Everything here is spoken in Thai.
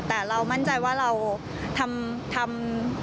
แต่เรามั่นใจว่าเราทำ